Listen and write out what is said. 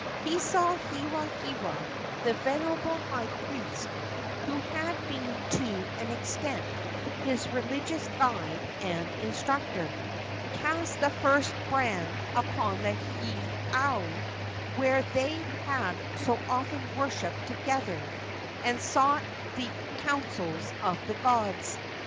He saw Hewahewa, the venerable high priest, who had been to an extent his religious guide and instructor, cast the first brand upon the heiau where they had so often worshipped together and sought the counsels of the gods.